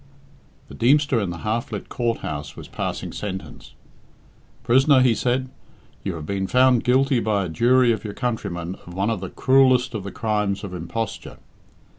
The Deemster in the half lit Court house was passing sentence. "Prisoner," he said, "you have been found guilty by a jury of your countrymen of one of the cruellest of the crimes of imposture.